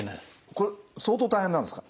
これ相当大変なんですか？